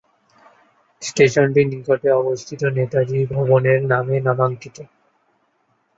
স্টেশনটি নিকটে অবস্থিত নেতাজি ভবনের নামে নামাঙ্কিত।